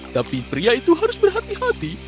tapi pria itu harus berhati hati